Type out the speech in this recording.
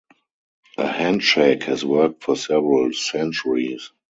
A handshake has worked for several centuries.